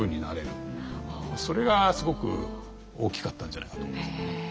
それがすごく大きかったんじゃないかと思いますね。